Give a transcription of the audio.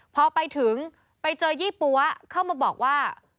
พอไปถึงไปเจอยี่ปั๊วเข้ามาบอกว่า